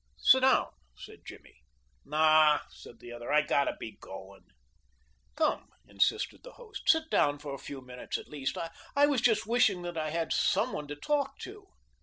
"Sit down," said Jimmy. "Naw," said the other; "I gotta be goin'." "Come," insisted the host; "sit down for a few minutes at least. I was just wishing that I had someone to talk to."